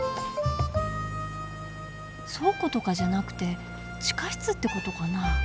倉庫とかじゃなくて地下室ってことかな？